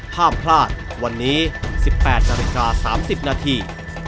ห้ามพลาดวันนี้๑๘นาฬิกา๓๐นาที